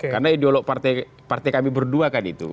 karena ideolog partai kami berdua kan itu